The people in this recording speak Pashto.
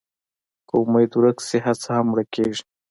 که امېد ورک شي، هڅه هم مړه کېږي.